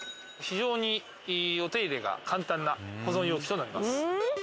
非常にお手入れが簡単な保存容器となります。